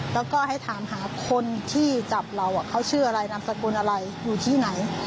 แล้วก็ให้ถามหาคนที่จับเราเขาชื่ออะไรนามสกุลอะไรอยู่ที่ไหน